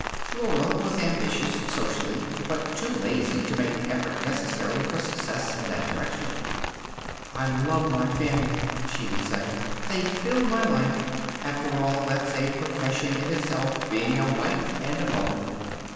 Flora was ambitious, socially, but too lazy to make the effort necessary for success in that direction. "I love my family," she would say. "They fill my life. After all, that's a profession in itself being a wife and mother."